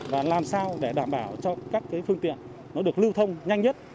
và làm sao để đảm bảo cho các phương tiện được lưu thông nhanh nhất